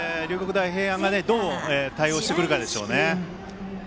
大平安がどう対応してくるかでしょうね。